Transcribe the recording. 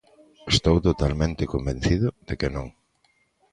Estou totalmente convencido de que non.